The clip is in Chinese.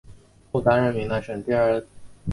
后担任云南省第二届人大代表。